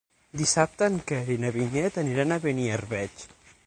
Dissabte en Quer i na Vinyet aniran a Beniarbeig.